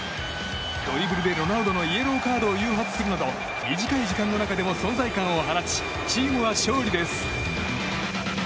ドリブルでロナウドのイエローカードを誘発するなど短い時間の中でも存在感を放ちチームは勝利です。